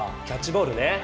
キャッチボールね。